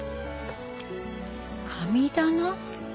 神棚？